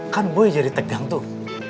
kan gue jadi tegang tuh